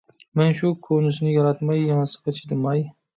مەن شۇ كونىسىنى ياراتماي، يېڭىسىغا چىدىماي. ..